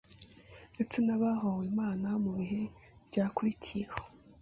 ndetse n’abahowe Imana mu bihe byakurikiyeho